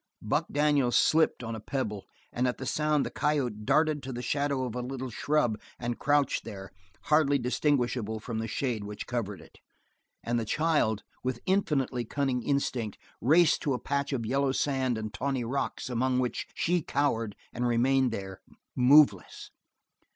Buck Daniels' foot slipped on a pebble and at the sound the coyote darted to the shadow of a little shrub and crouched there, hardly distinguishable from the shade which covered it, and the child, with infinitely cunning instinct, raced to a patch of yellow sand and tawny rocks among which she cowered and remained there moveless.